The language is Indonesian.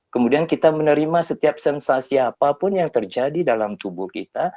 kemudian kita menerima setiap sensasi apapun yang terjadi dalam tubuh kita